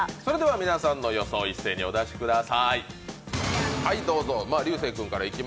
皆さんの予想を一斉にお出しください。